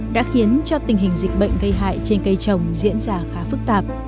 đã khiến cho tình hình dịch bệnh gây hại trên cây trồng diễn ra khá phức tạp